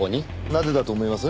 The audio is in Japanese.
なぜだと思います？